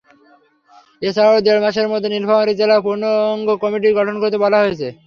এছাড়াও দেড় মাসের মধ্যে নীলফামারী জেলার পূর্ণাঙ্গ কমিটি গঠন করতে বলা হয়েছে।